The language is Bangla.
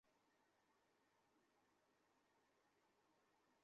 নিক্সন ভিয়েতনাম যুদ্ধকেও লিঙ্কনের সময়ের গৃহযুদ্ধের অবস্থার সমতুল্য বলে মনে করতেন।